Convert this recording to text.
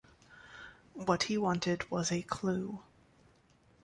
What he wanted was a clue.